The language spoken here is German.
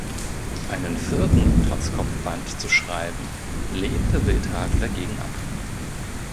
Einen vierten "Trotzkopf"-Band zu schreiben, lehnte Wildhagen dagegen ab.